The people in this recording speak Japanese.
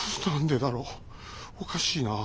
おかしいなあ。